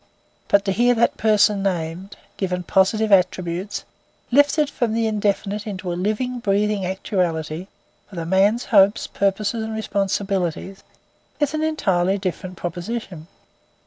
But to hear that person named; given positive attributes; lifted from the indefinite into a living, breathing actuality, with a man's hopes, purposes and responsibilities, is an entirely different proposition.